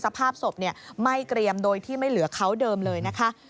สภาพศพไม่เกรียมโดยที่ไม่เหลือเขาเดิมเลยนะคะ